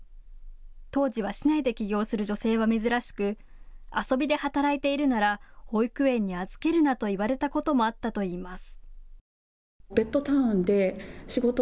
当時は市内で起業する女性は珍しく遊びで働いているなら保育園に預けるなと言われたこともあったといいます。